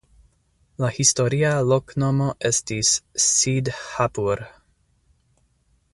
La historia loknomo estis "Sidhhapur".